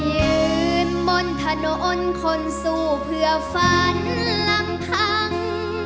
ยืนบนถนนคนสู้เพื่อฝันลำพัง